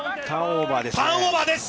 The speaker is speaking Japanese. ターンオーバーですね。